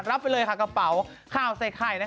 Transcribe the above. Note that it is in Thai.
รับไปเลยค่ะกระเป๋าข่าวใส่ไข่นะคะ